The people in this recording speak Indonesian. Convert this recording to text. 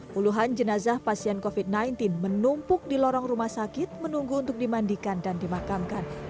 puluhan jenazah pasien covid sembilan belas menumpuk di lorong rumah sakit menunggu untuk dimandikan dan dimakamkan